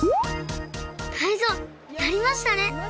タイゾウやりましたね！